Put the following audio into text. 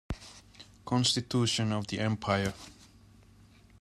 Constitution of the empire.